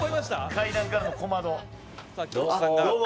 「階段からの小窓」どうも。